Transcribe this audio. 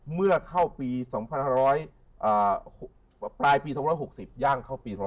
เมื่อเข้าปี๒ปลายปี๒๖๐ย่างเข้าปี๒๕๖